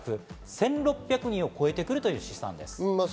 １６００人を超えてくるという試算です。